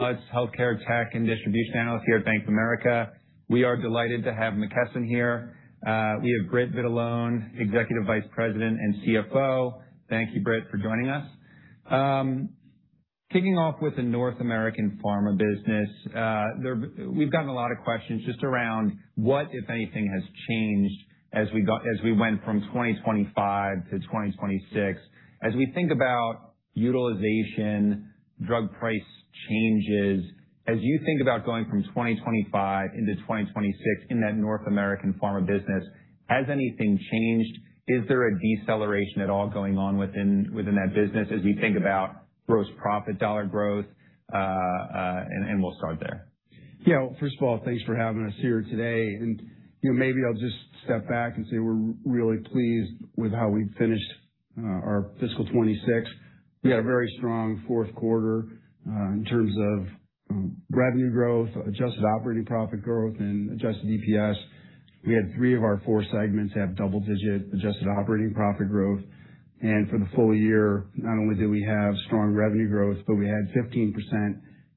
Healthcare Tech and Distribution Analyst here at Bank of America. We are delighted to have McKesson here. We have Britt Vitalone, Executive Vice President and CFO. Thank you, Britt, for joining us. Kicking off with the North American Pharmaceutical business, we've gotten a lot of questions just around what, if anything, has changed as we went from 2025 to 2026. As we think about utilization, drug price changes, as you think about going from 2025 into 2026 in that North American Pharmaceutical business, has anything changed? Is there a deceleration at all going on within that business as we think about gross profit dollar growth? We'll start there. Yeah. First of all, thanks for having us here today. You know, maybe I'll just step back and say we're really pleased with how we finished our fiscal 2026. We had a very strong fourth quarter in terms of revenue growth, adjusted operating profit growth, and adjusted EPS. We had three of our four segments have double-digit adjusted operating profit growth. For the full year, not only did we have strong revenue growth, but we had 15%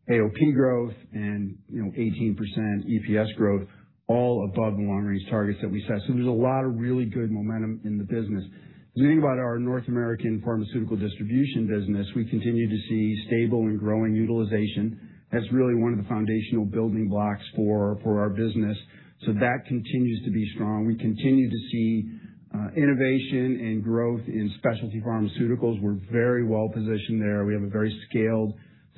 AOP growth and, you know, 18% EPS growth, all above the long-range targets that we set. There's a lot of really good momentum in the business. As we think about our North American Pharmaceutical Distribution business, we continue to see stable and growing utilization. That's really one of the foundational building blocks for our business. That continues to be strong. We continue to see innovation and growth in specialty pharmaceuticals. We're very well positioned there. We have a very scaled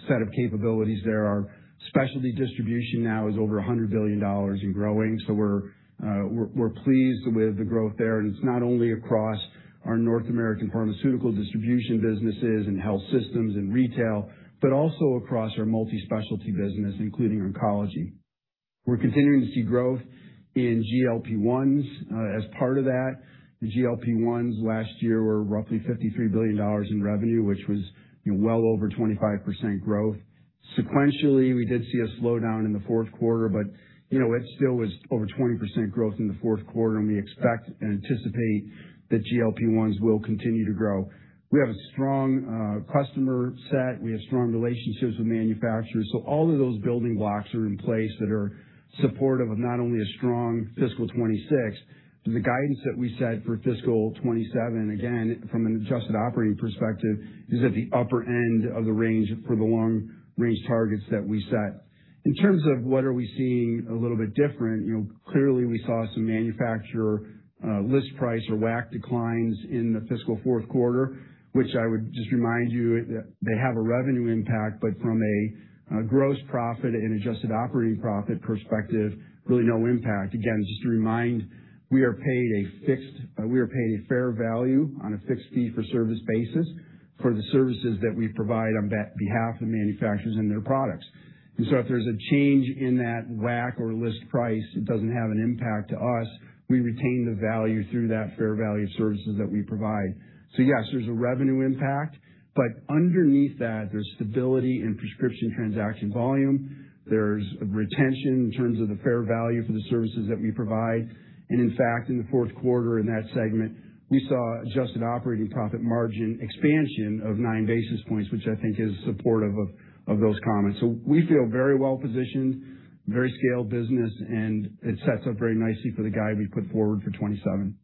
set of capabilities there. Our specialty distribution now is over $100 billion and growing. We're pleased with the growth there. It's not only across our North American Pharmaceutical Distribution businesses and health systems and retail, but also across our multi-specialty business, including oncology. We're continuing to see growth in GLP-1s. As part of that, the GLP-1s last year were roughly $53 billion in revenue, which was, you know, well over 25% growth. Sequentially, we did see a slowdown in the fourth quarter, but, you know, it still was over 20% growth in the fourth quarter, and we expect and anticipate that GLP-1s will continue to grow. We have a strong customer set. We have strong relationships with manufacturers. All of those building blocks are in place that are supportive of not only a strong fiscal 2026, but the guidance that we set for fiscal 2027, again, from an adjusted operating perspective, is at the upper end of the range for the long range targets that we set. In terms of what are we seeing a little bit different, you know, clearly we saw some manufacturer list price or WAC declines in the fiscal 4th quarter, which I would just remind you that they have a revenue impact, but from a gross profit and adjusted operating profit perspective, really no impact. Just to remind, we are paid a fair value on a fixed fee for service basis for the services that we provide on behalf of manufacturers and their products. If there's a change in that WAC or list price, it doesn't have an impact to us. We retain the value through that fair value services that we provide. Yes, there's a revenue impact, but underneath that, there's stability in prescription transaction volume. There's retention in terms of the fair value for the services that we provide. In fact, in the fourth quarter in that segment, we saw adjusted operating profit margin expansion of nine basis points, which I think is supportive of those comments. We feel very well positioned, very scaled business, and it sets up very nicely for the guide we put forward for 2027.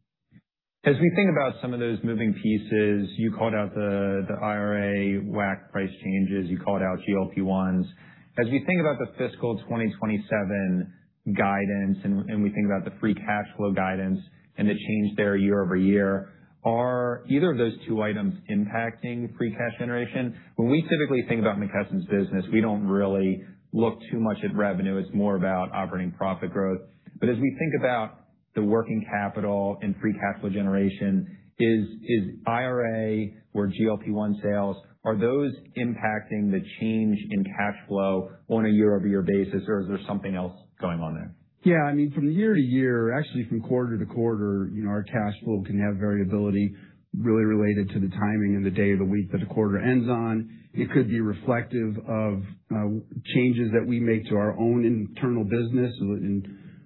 As we think about some of those moving pieces, you called out the IRA WAC price changes, you called out GLP-1s. As we think about the fiscal 2027 guidance and we think about the free cash flow guidance and the change there year-over-year, are either of those two items impacting free cash generation? When we typically think about McKesson's business, we don't really look too much at revenue. It's more about operating profit growth. As we think about the working capital and free cash flow generation, is IRA or GLP-1 sales, are those impacting the change in cash flow on a year-over-year basis, or is there something else going on there? I mean, from year-to-year, actually from quarter-to-quarter, you know, our cash flow can have variability really related to the timing and the day of the week that a quarter ends on. It could be reflective of changes that we make to our own internal business. In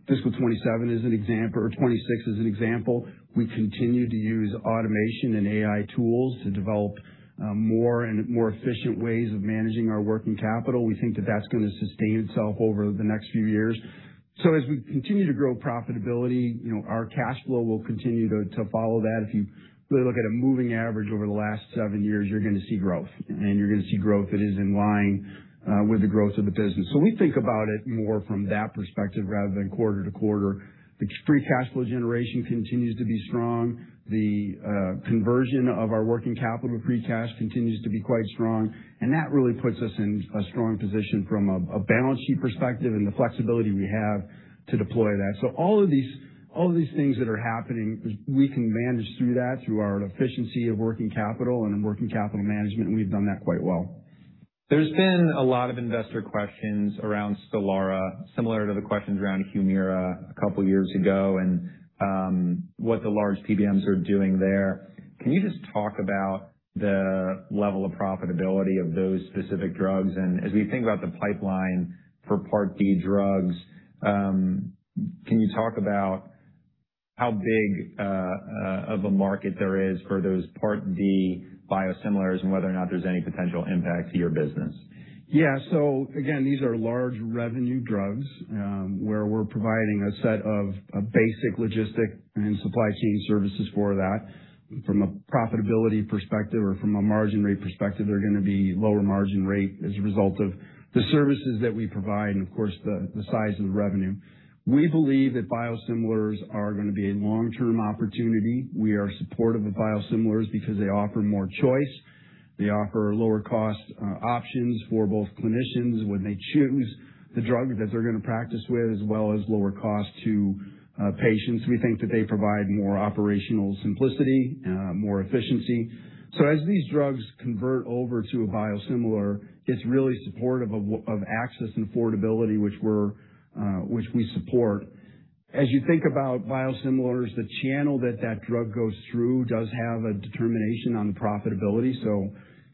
fiscal 2027 is an example, or 2026 is an example, we continue to use automation and AI tools to develop more and more efficient ways of managing our working capital. We think that that's gonna sustain itself over the next few years. As we continue to grow profitability, you know, our cash flow will continue to follow that. If you really look at a moving average over the last seven years, you're gonna see growth, and you're gonna see growth that is in line with the growth of the business. We think about it more from that perspective rather than quarter to quarter. The free cash flow generation continues to be strong. The conversion of our working capital to free cash continues to be quite strong, and that really puts us in a strong position from a balance sheet perspective and the flexibility we have to deploy that. All of these things that are happening, we can manage through that through our efficiency of working capital and working capital management, and we've done that quite well. There's been a lot of investor questions around STELARA, similar to the questions around HUMIRA a couple years ago and, what the large PBMs are doing there. Can you just talk about the level of profitability of those specific drugs? As we think about the pipeline for Part D drugs, can you talk about how big of a market there is for those Part D biosimilars and whether or not there's any potential impact to your business. Yeah. Again, these are large revenue drugs, where we're providing a set of basic logistic and supply chain services for that. From a profitability perspective or from a margin rate perspective, they're gonna be lower margin rate as a result of the services that we provide and of course, the size of the revenue. We believe that biosimilars are gonna be a long-term opportunity. We are supportive of biosimilars because they offer more choice. They offer lower cost options for both clinicians when they choose the drug that they're gonna practice with, as well as lower cost to patients. We think that they provide more operational simplicity, more efficiency. As these drugs convert over to a biosimilar, it's really supportive of access and affordability, which we're which we support. As you think about biosimilars, the channel that drug goes through does have a determination on the profitability.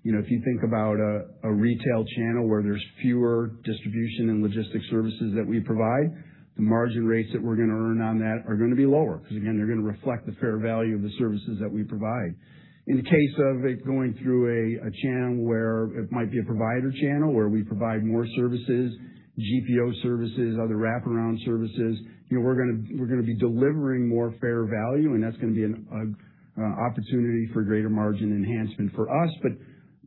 You know, if you think about a retail channel where there's fewer distribution and logistic services that we provide, the margin rates that we're gonna earn on that are gonna be lower 'cause again, they're gonna reflect the fair value of the services that we provide. In case of it going through a channel where it might be a provider channel where we provide more services, GPO services, other wraparound services, you know, we're gonna be delivering more fair value, and that's gonna be an opportunity for greater margin enhancement for us.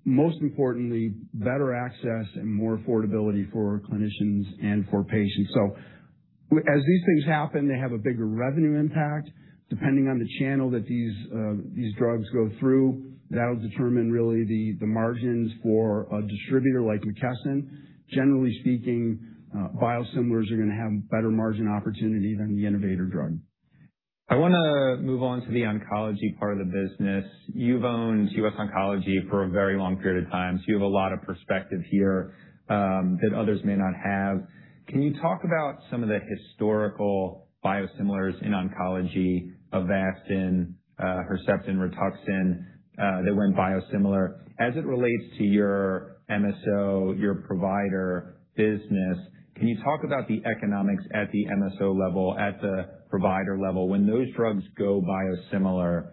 Most importantly, better access and more affordability for clinicians and for patients. As these things happen, they have a bigger revenue impact. Depending on the channel that these drugs go through, that'll determine really the margins for a distributor like McKesson. Generally speaking, biosimilars are gonna have better margin opportunity than the innovator drug. I want to move on to the oncology part of the business. You've owned US Oncology for a very long period of time, so you have a lot of perspective here that others may not have. Can you talk about some of the historical biosimilars in oncology, Avastin, Herceptin, Rituxan, that were in biosimilar? As it relates to your MSO, your provider business, can you talk about the economics at the MSO level, at the provider level? When those drugs go biosimilar,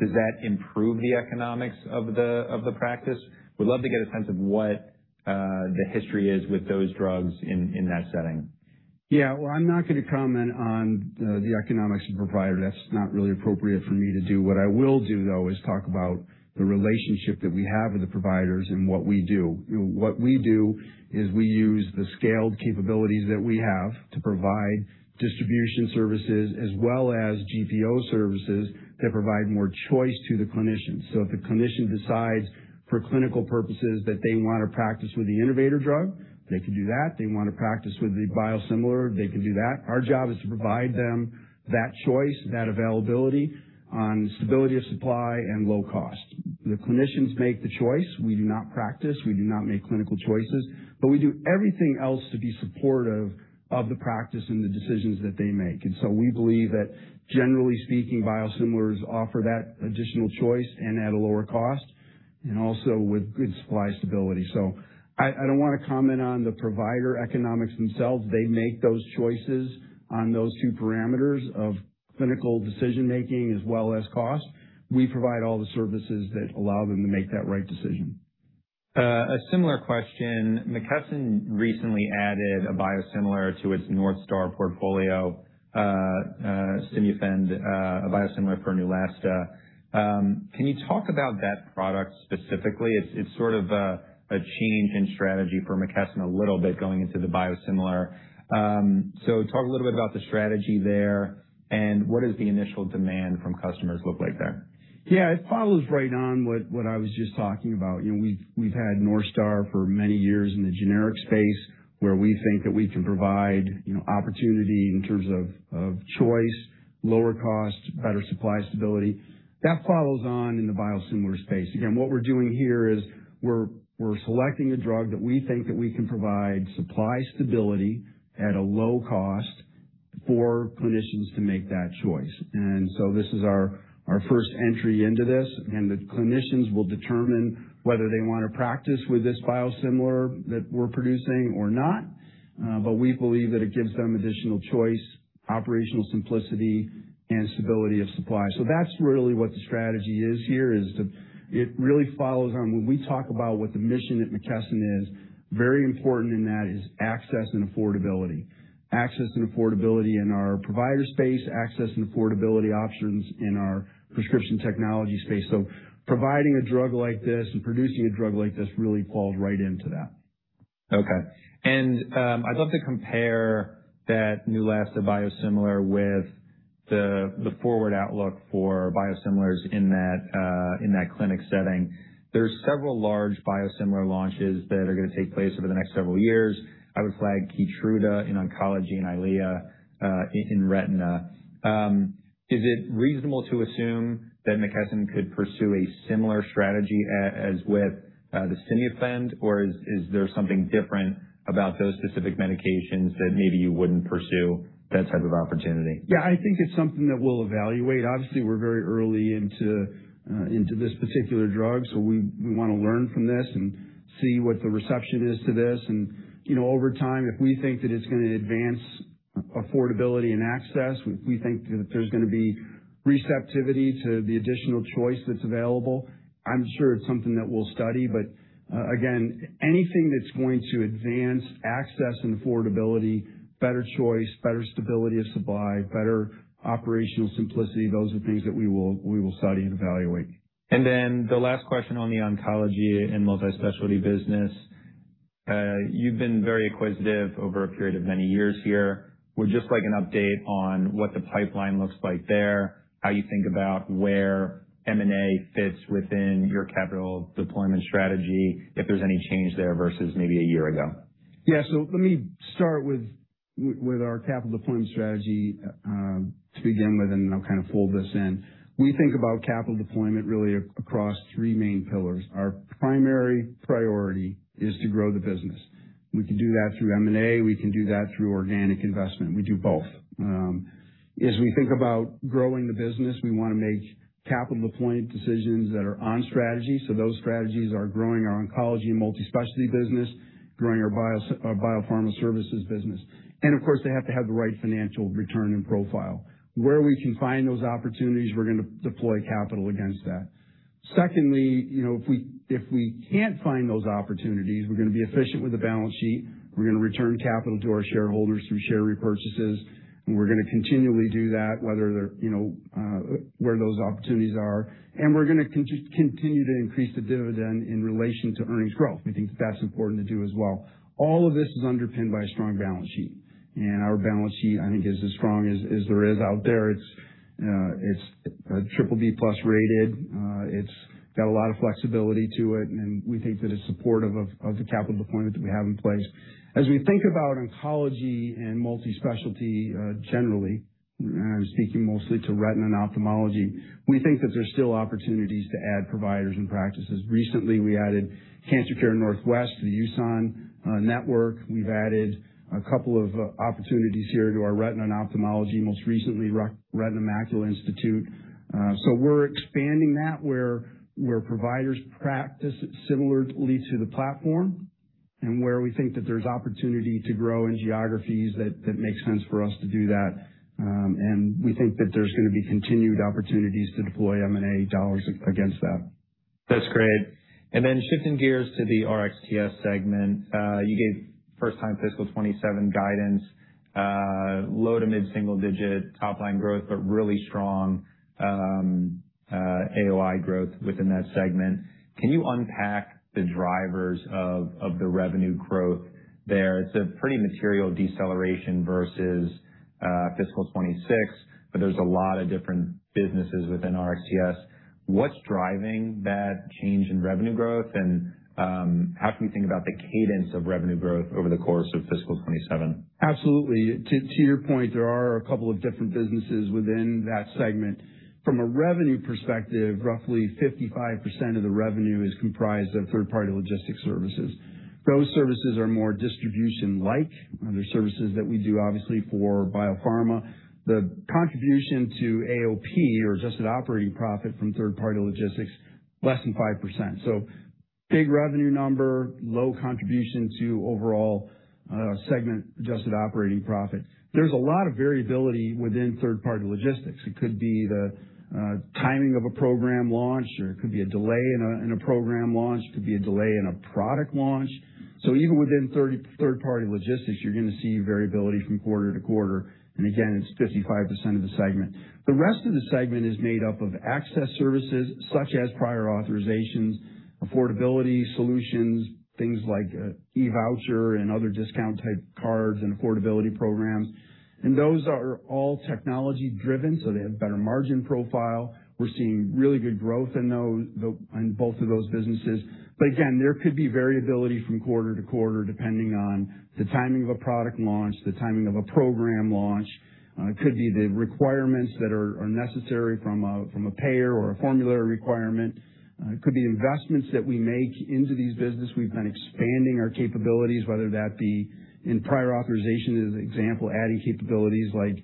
does that improve the economics of the practice? Would love to get a sense of what the history is with those drugs in that setting. Well, I'm not gonna comment on the economics of the provider. That's not really appropriate for me to do. What I will do, though, is talk about the relationship that we have with the providers and what we do. What we do is we use the scaled capabilities that we have to provide distribution services as well as GPO services that provide more choice to the clinicians. If the clinician decides for clinical purposes that they wanna practice with the innovator drug, they can do that. They wanna practice with the biosimilar, they can do that. Our job is to provide them that choice, that availability on stability of supply and low cost. The clinicians make the choice. We do not practice. We do not make clinical choices, but we do everything else to be supportive of the practice and the decisions that they make. We believe that generally speaking, biosimilars offer that additional choice and at a lower cost and also with good supply stability. I don't wanna comment on the provider economics themselves. They make those choices on those two parameters of clinical decision-making as well as cost. We provide all the services that allow them to make that right decision. A similar question. McKesson recently added a biosimilar to its NorthStar portfolio, Stimufend, a biosimilar for Neulasta. Can you talk about that product specifically? It's sort of a change in strategy for McKesson a little bit going into the biosimilar. Talk a little bit about the strategy there and what does the initial demand from customers look like there? Yeah. It follows right on what I was just talking about. You know, we've had NorthStar for many years in the generic space, where we think that we can provide, you know, opportunity in terms of choice, lower cost, better supply stability. That follows on in the biosimilar space. Again, what we're doing here is we're selecting a drug that we think that we can provide supply stability at a low cost for clinicians to make that choice. This is our first entry into this, and the clinicians will determine whether they wanna practice with this biosimilar that we're producing or not. We believe that it gives them additional choice, operational simplicity, and stability of supply. That's really what the strategy is here. It really follows on when we talk about what the mission at McKesson is, very important in that is access and affordability. Access and affordability in our provider space, access and affordability options in our prescription technology space. Providing a drug like this and producing a drug like this really falls right into that. Okay. I'd love to compare that Neulasta biosimilar with the forward outlook for biosimilars in that clinic setting. There are several large biosimilar launches that are gonna take place over the next several years. I would flag in oncology and EYLEA in retina. Is it reasonable to assume that McKesson could pursue a similar strategy as with the Stimufend, or is there something different about those specific medications that maybe you wouldn't pursue that type of opportunity? Yeah. I think it's something that we'll evaluate. Obviously, we're very early into this particular drug, so we wanna learn from this and see what the reception is to this. You know, over time, if we think that it's gonna advance affordability and access. We think that there's gonna be receptivity to the additional choice that's available. I'm sure it's something that we'll study, again, anything that's going to advance access and affordability, better choice, better stability of supply, better operational simplicity, those are things that we will study and evaluate. The last question on the oncology and multi-specialty business. You've been very acquisitive over a period of many years here. Would just like an update on what the pipeline looks like there, how you think about where M&A fits within your capital deployment strategy, if there's any change there versus maybe a year ago? Yeah. Let me start with our capital deployment strategy to begin with, and then I'll kind of fold this in. We think about capital deployment really across three main pillars. Our primary priority is to grow the business. We can do that through M&A. We can do that through organic investment. We do both. As we think about growing the business, we wanna make capital deployment decisions that are on strategy. Those strategies are growing our oncology and multi-specialty business, growing our biopharma services business. Of course, they have to have the right financial return and profile. Where we can find those opportunities, we're gonna deploy capital against that. Secondly, you know, if we can't find those opportunities, we're gonna be efficient with the balance sheet. We're gonna return capital to our shareholders through share repurchases, and we're gonna continually do that, whether they're, you know, where those opportunities are, and we're gonna continue to increase the dividend in relation to earnings growth. We think that's important to do as well. All of this is underpinned by a strong balance sheet, and our balance sheet, I think, is as strong as there is out there. It's BBB+ rated. It's got a lot of flexibility to it, and we think that it's supportive of the capital deployment that we have in place. As we think about oncology and multi-specialty, generally, and I'm speaking mostly to retina and ophthalmology, we think that there's still opportunities to add providers and practices. Recently, we added Cancer Care Northwest to the USON network. We've added a couple of opportunities here to our retina and ophthalmology, most recently, Retina Macula Institute. We're expanding that where providers practice similarly to the platform and where we think that there's opportunity to grow in geographies that make sense for us to do that. We think that there's gonna be continued opportunities to deploy M&A dollars against that. That's great. Shifting gears to the RxTS segment. You gave first time fiscal 2027 guidance, low to mid-single digit top line growth, but really strong AOI growth within that segment. Can you unpack the drivers of the revenue growth there? It's a pretty material deceleration versus fiscal 2026, but there's a lot of different businesses within RxTS. What's driving that change in revenue growth and how can we think about the cadence of revenue growth over the course of fiscal 2027? Absolutely. To your point, there are a couple of different businesses within that segment. From a revenue perspective, roughly 55% of the revenue is comprised of third-party logistics services. Those services are more distribution-like. They're services that we do, obviously, for biopharma. The contribution to AOP or adjusted operating profit from third-party logistics, less than 5%. Big revenue number, low contribution to overall segment adjusted operating profit. There's a lot of variability within third-party logistics. It could be the timing of a program launch, or it could be a delay in a program launch. It could be a delay in a product launch. Even within third party logistics, you're gonna see variability from quarter to quarter. Again, it's 55% of the segment. The rest of the segment is made up of access services such as prior authorizations, affordability solutions, things like eVoucher and other discount type cards and affordability programs. Those are all technology driven, so they have better margin profile. We're seeing really good growth in both of those businesses. Again, there could be variability from quarter to quarter, depending on the timing of a product launch, the timing of a program launch. It could be the requirements that are necessary from a payer or a formulary requirement. It could be the investments that we make into these business. We've been expanding our capabilities, whether that be in prior authorization, as an example, adding capabilities like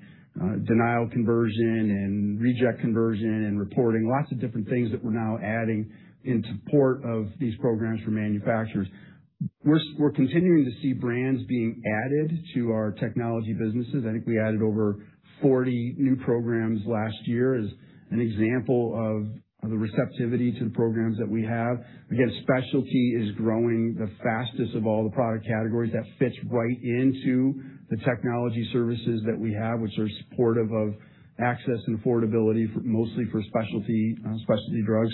denial conversion and reject conversion and reporting. Lots of different things that we're now adding in support of these programs for manufacturers. We're continuing to see brands being added to our technology businesses. I think we added over 40 new programs last year as an example of the receptivity to the programs that we have. Specialty is growing the fastest of all the product categories. That fits right into the technology services that we have, which are supportive of access and affordability mostly for specialty drugs.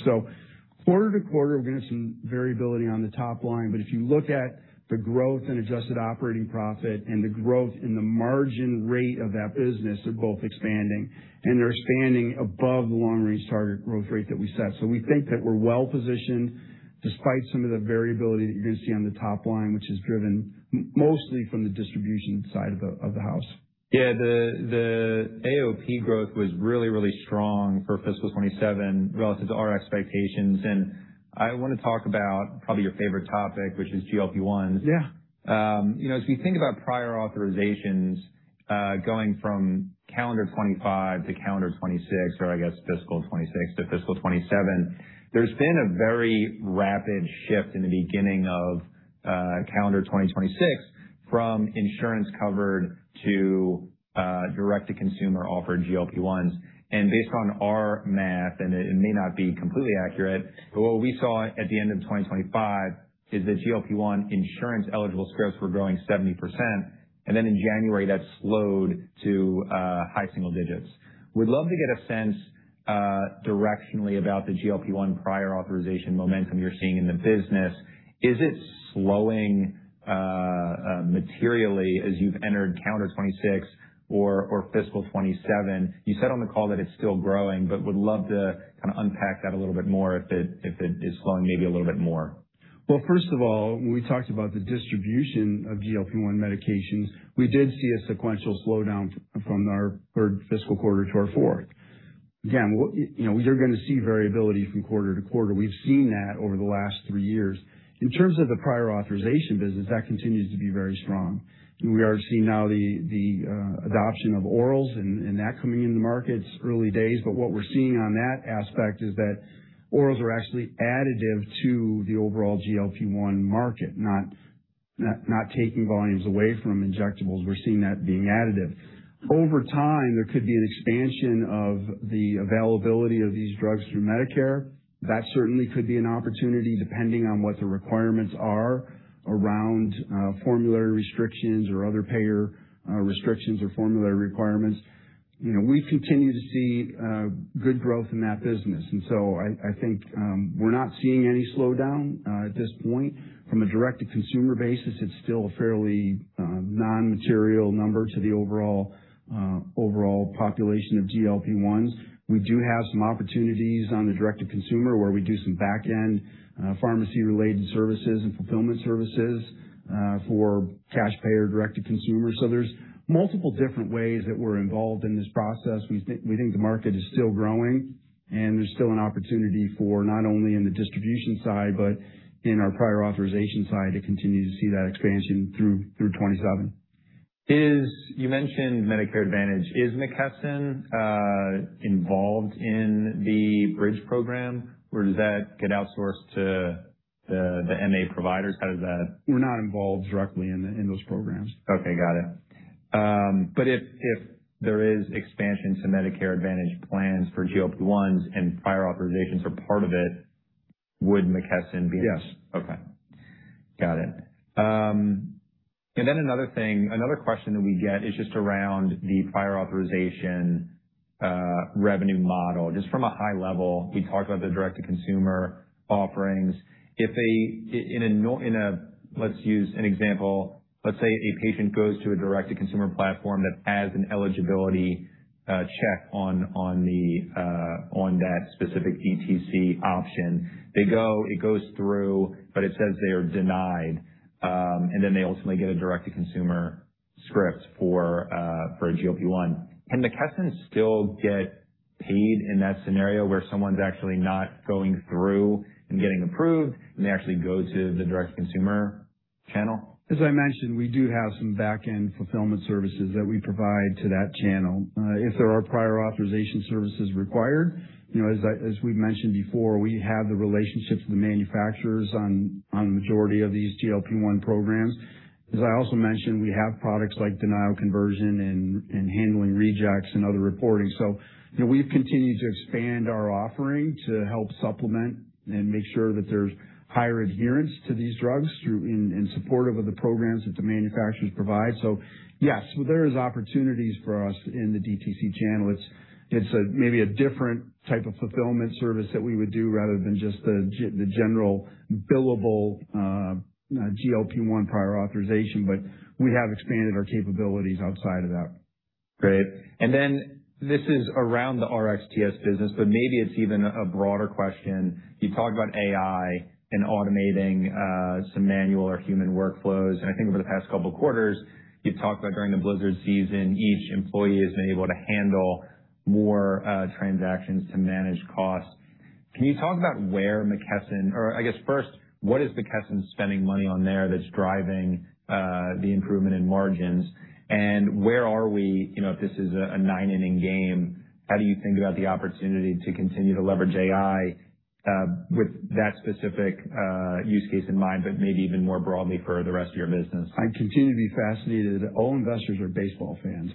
Quarter to quarter, we're gonna some variability on the top line, but if you look at the growth in adjusted operating profit and the growth in the margin rate of that business, they're both expanding, and they're expanding above the long range target growth rate that we set. We think that we're well positioned despite some of the variability that you're gonna see on the top line, which is driven mostly from the distribution side of the, of the house. Yeah. The AOP growth was really strong for fiscal 2027 relative to our expectations, I wanna talk about probably your favorite topic, which is GLP-1s. Yeah. You know, as we think about prior authorizations, going from calendar 2025 to calendar 2026, or I guess fiscal 2026 to fiscal 2027, there's been a very rapid shift in the beginning of calendar 2026 from insurance-covered to direct-to-consumer offered GLP-1s. Based on our math, and it may not be completely accurate, but what we saw at the end of 2025 is that GLP-1 insurance-eligible scripts were growing 70%, then in January, that slowed to high single digits. Would love to get a sense directionally about the GLP-1 prior authorization momentum you're seeing in the business. Is it slowing materially as you've entered calendar 2026 or fiscal 2027? You said on the call that it's still growing, but would love to kinda unpack that a little bit more if it is slowing maybe a little bit more. First of all, when we talked about the distribution of GLP-1 medications, we did see a sequential slowdown from our third fiscal quarter to our fourth. Again, you know, you're gonna see variability from quarter to quarter. We've seen that over the last three years. In terms of the prior authorization business, that continues to be very strong. We are seeing now the adoption of orals and that coming into the market. It's early days, but what we're seeing on that aspect is that orals are actually additive to the overall GLP-1 market, not taking volumes away from injectables. We're seeing that being additive. Over time, there could be an expansion of the availability of these drugs through Medicare. That certainly could be an opportunity depending on what the requirements are around formulary restrictions or other payer restrictions or formulary requirements. You know, we continue to see good growth in that business. I think we're not seeing any slowdown at this point. From a direct-to-consumer basis, it's still a fairly non-material number to the overall population of GLP-1s. We do have some opportunities on the direct-to-consumer, where we do some back-end pharmacy-related services and fulfillment services for cash payer direct-to-consumer. There's multiple different ways that we're involved in this process. We think the market is still growing, and there's still an opportunity for not only in the distribution side, but in our prior authorization side to continue to see that expansion through 2027. You mentioned Medicare Advantage. Is McKesson involved in the Bridge program, or does that get outsourced to the MA providers? We're not involved directly in those programs. Okay, got it. If there is expansion to Medicare Advantage plans for GLP-1s and prior authorizations are part of it, would McKesson be? Yes. Okay. Got it. Another thing, another question that we get is just around the prior authorization, revenue model. Just from a high level, you talked about the direct-to-consumer offerings. If a, let's use an example, let's say a patient goes to a direct-to-consumer platform that has an eligibility check on the, on that specific DTC option. They go, it goes through, but it says they are denied, and then they ultimately get a direct-to-consumer script for a GLP-1. Can McKesson still get paid in that scenario, where someone's actually not going through and getting approved, and they actually go to the direct-to-consumer channel? As I mentioned, we do have some back-end fulfillment services that we provide to that channel. If there are prior authorization services required, you know, as we've mentioned before, we have the relationships with manufacturers on the majority of these GLP-1 programs. As I also mentioned, we have products like denial conversion and handling rejects and other reporting. You know, we've continued to expand our offering to help supplement and make sure that there's higher adherence to these drugs through, in support of the programs that the manufacturers provide. Yes, there is opportunities for us in the DTC channel. It's, it's a, maybe a different type of fulfillment service that we would do rather than just the general billable GLP-1 prior authorization, but we have expanded our capabilities outside of that. Great. This is around the RxTS business, but maybe it's even a broader question. You talked about AI and automating some manual or human workflows. I think over the past couple quarters, you've talked about during the blizzard season, each employee has been able to handle more transactions to manage costs. Can you talk about what is McKesson spending money on there that's driving the improvement in margins? Where are we, you know, if this is a nine-inning game, how do you think about the opportunity to continue to leverage AI with that specific use case in mind, but maybe even more broadly for the rest of your business? I continue to be fascinated. All investors are baseball fans,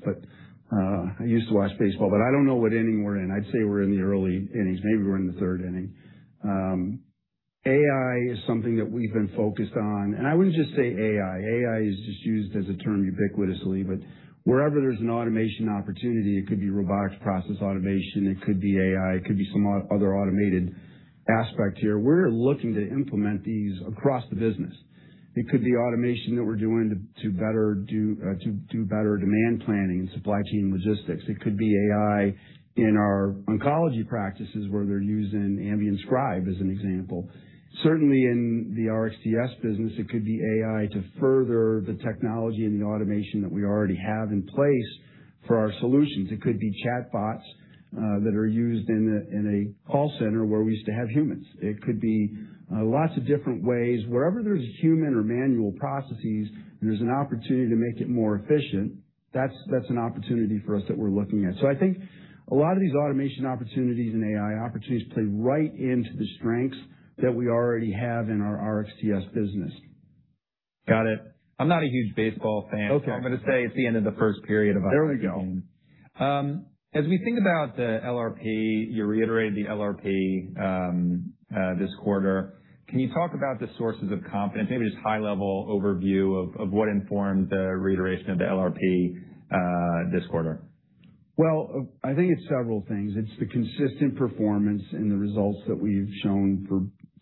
I used to watch baseball, but I don't know what inning we're in. I'd say we're in the early innings. Maybe we're in the third inning. AI is something that we've been focused on, I wouldn't just say AI. AI is just used as a term ubiquitously, wherever there's an automation opportunity, it could be robotics process automation, it could be AI, it could be some other automated aspect here. We're looking to implement these across the business. It could be automation that we're doing to better do demand planning and supply chain logistics. It could be AI in our oncology practices, where they're using Ambient Scribe, as an example. Certainly in the RXTS business, it could be AI to further the technology and the automation that we already have in place for our solutions. It could be chatbots that are used in a call center where we used to have humans. It could be lots of different ways. Wherever there's human or manual processes, and there's an opportunity to make it more efficient, that's an opportunity for us that we're looking at. I think a lot of these automation opportunities and AI opportunities play right into the strengths that we already have in our RXTS business. Got it. I'm not a huge baseball fan. Okay. I'm gonna say it's the end of the first period of a hockey game. There we go. As we think about the LRP, you reiterated the LRP this quarter. Can you talk about the sources of confidence? Maybe just high level overview of what informed the reiteration of the LRP this quarter. Well, I think it's several things. It's the consistent performance and the results that we've shown for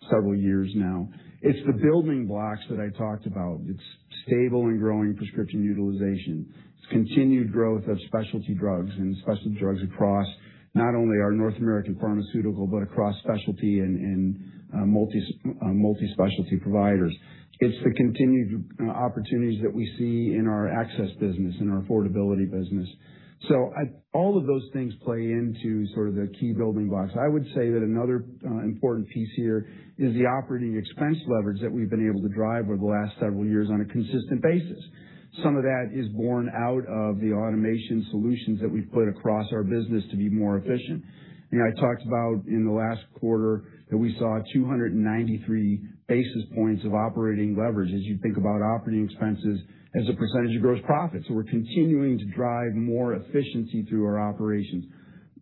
several years now. It's the building blocks that I talked about. It's stable and growing prescription utilization. It's continued growth of specialty drugs and specialty drugs across not only our North American Pharmaceutical, but across specialty and multi-specialty providers. It's the continued opportunities that we see in our access business, in our affordability business. All of those things play into sort of the key building blocks. I would say that another important piece here is the operating expense leverage that we've been able to drive over the last several years on a consistent basis. Some of that is born out of the automation solutions that we've put across our business to be more efficient. You know, I talked about in the last quarter that we saw 293 basis points of operating leverage as you think about operating expenses as a percentage of gross profit. We're continuing to drive more efficiency through our operations.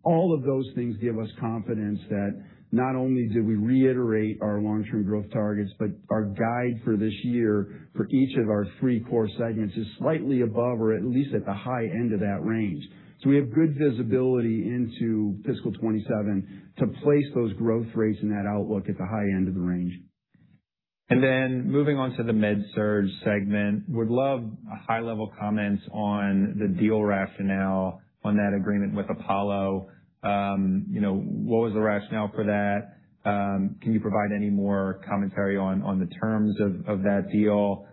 All of those things give us confidence that not only do we reiterate our long-term growth targets, but our guide for this year for each of our 3 core segments is slightly above or at least at the high end of that range. We have good visibility into fiscal 2027 to place those growth rates and that outlook at the high end of the range. Moving on to the MedSurg segment, would love a high level comments on the deal rationale on that agreement with Apollo. You know, what was the rationale for that? Can you provide any more commentary on the terms of that deal?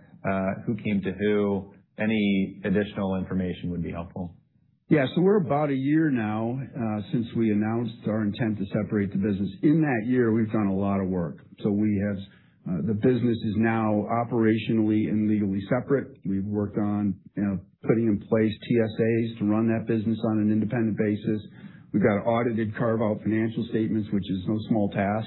Who came to who? Any additional information would be helpful. We're about 1 year now since we announced our intent to separate the business. In that year, we've done a lot of work. The business is now operationally and legally separate. We've worked on, you know, putting in place TSAs to run that business on an independent basis. We've got audited carve out financial statements, which is no small task.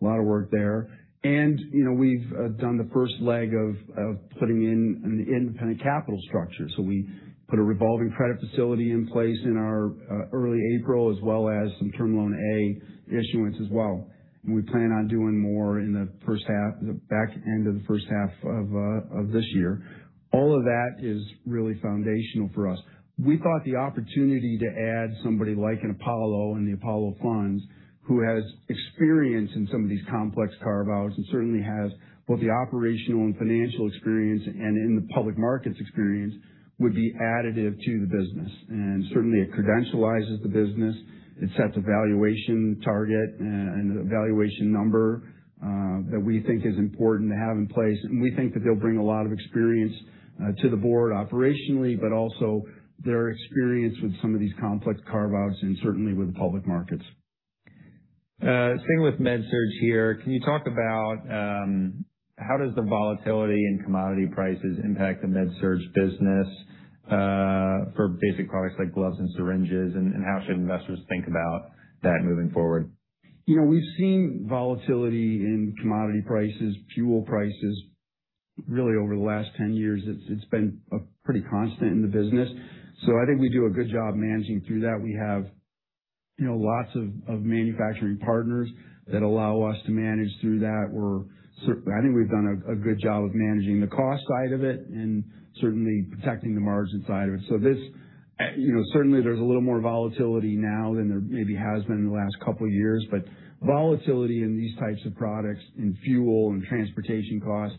A lot of work there. You know, we've done the 1st leg of putting in an independent capital structure. We put a revolving credit facility in place in our early April as well as some Term Loan A issuance as well. We plan on doing more in the 1st half, the back end of the 1st half of this year. All of that is really foundational for us. We thought the opportunity to add somebody like an Apollo and the Apollo funds, who has experience in some of these complex carve-outs, and certainly has both the operational and financial experience and in the public markets experience, would be additive to the business. Certainly it credentializes the business. It sets a valuation target and a valuation number that we think is important to have in place. We think that they'll bring a lot of experience to the board operationally, but also their experience with some of these complex carve-outs and certainly with public markets. Staying with MedSurg here, can you talk about, how does the volatility in commodity prices impact the MedSurg business, for basic products like gloves and syringes? How should investors think about that moving forward? You know, we've seen volatility in commodity prices, fuel prices, really over the last 10 years. It's been a pretty constant in the business. I think we do a good job managing through that. We have, you know, lots of manufacturing partners that allow us to manage through that. I think we've done a good job of managing the cost side of it and certainly protecting the margin side of it. This, you know, certainly there's a little more volatility now than there maybe has been in the last couple of years. Volatility in these types of products, in fuel and transportation costs